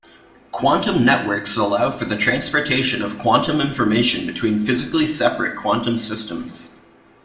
Quantum networks allow for the transportation of quantum information between physically separate quantum systems.